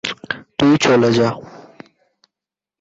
তুই চলে যা।